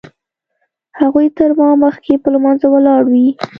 هغوی تر ما مخکې په لمانځه ولاړ وي.